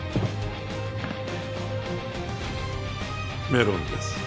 メロンです。